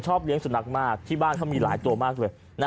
เลี้ยงสุนัขมากที่บ้านเขามีหลายตัวมากเลย